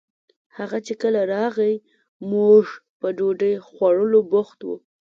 هغه چې کله راغئ موږ په ډوډۍ خوړولو بوخت وو